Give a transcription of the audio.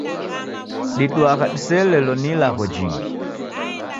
Diduagha diseelelo ni ilagho jingi.